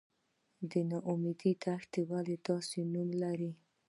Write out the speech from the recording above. د نا امید دښته ولې داسې نوم لري؟